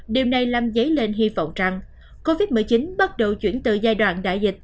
điều này làm dấy lên hy vọng rằng covid một mươi chín bắt đầu chuyển từ giai đoạn đại dịch